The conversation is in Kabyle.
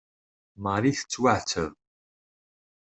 Marie tettwaɛetteb.